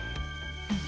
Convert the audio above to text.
うん。